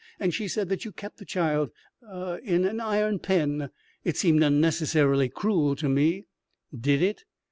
And she said that you kept the child ah in an iron pen. It seemed unnecessarily cruel to me " "Did it?"